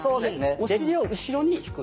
お尻を後ろに引く。